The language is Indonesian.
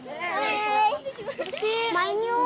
eh eh main yuk